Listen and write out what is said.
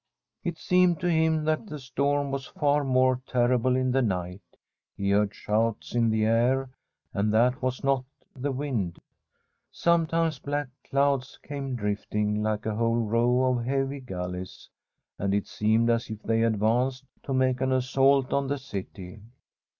It seemed to him that the storm was far more terrible in the night. He heard shouts in the air, and that was not the wind. Sometimes black clouds came drifting like a whole row of heavy galleys, and it seemed as if they advanced to make an assault on the city.